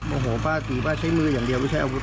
โอ้โหป้าถือป้าใช้มืออย่างเดียวไม่ใช่อาวุธ